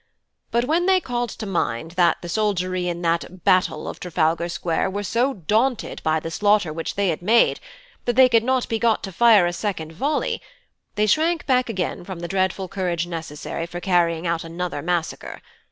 But when they called to mind that the soldiery in that 'Battle' of Trafalgar Square were so daunted by the slaughter which they had made, that they could not be got to fire a second volley, they shrank back again from the dreadful courage necessary for carrying out another massacre.